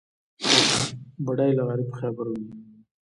بډای له غریب خبر وي.